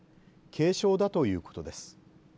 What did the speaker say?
軽症だということです。